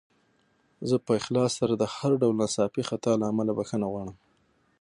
زه په اخلاص سره د هر ډول ناڅاپي خطا له امله بخښنه غواړم.